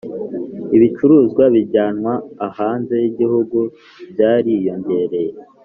Ibicuruzwa bijyanwa hanze yigihugu byariyongereye